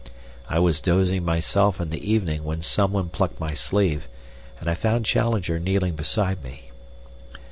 I was dozing myself in the evening when someone plucked my sleeve, and I found Challenger kneeling beside me.